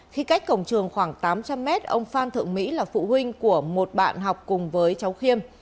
khi cách cổng trường khoảng tám trăm linh mét ông phan thượng mỹ là phụ huynh của một bạn học cùng với cháu khiêm